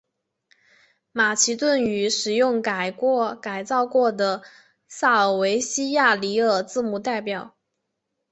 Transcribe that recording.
马其顿语使用改造过的塞尔维亚西里尔字母表。